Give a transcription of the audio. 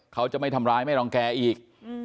เขาจะไม่ทำร้ายไม่รังแกอีก